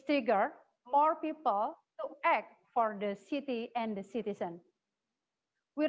dari grup pendapatan yang rendah dan rendah